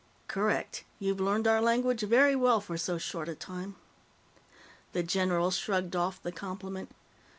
"Correct. You've learned our language very well for so short a time." The general shrugged off the compliment.